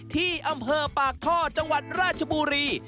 ที่อำเภอปากท่อจังหวัดราชบุรี